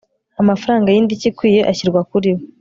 amafaranga y indishyi ikwiye ashyirwa kuri we